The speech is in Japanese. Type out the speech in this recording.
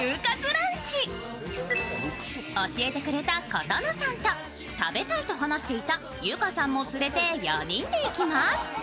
教えてくれたことのさんと、食べたいと話していたゆかさんも連れて４人で行きます。